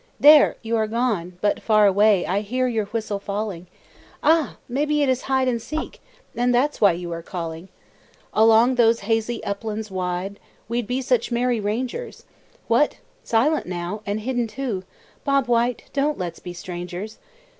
There, you are gone! but far away I hear your whistle falling. Ah! maybe it is hide and seek, And that's why you are calling. Along those hazy uplands wide We'd be such merry rangers; What! silent now, and hidden too! "Bob White," don't let's be strangers.